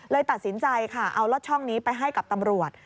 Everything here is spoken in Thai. ตัดสินใจค่ะเอาล็อตช่องนี้ไปให้กับตำรวจ